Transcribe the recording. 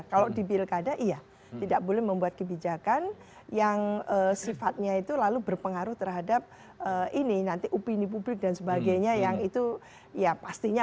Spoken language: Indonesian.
kalau di pilkada iya tidak boleh membuat kebijakan yang sifatnya itu lalu berpengaruh terhadap ini nanti opini publik dan sebagainya yang itu ya pastinya